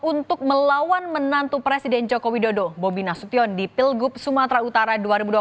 untuk melawan menantu presiden joko widodo bobi nasution di pilgub sumatera utara dua ribu dua puluh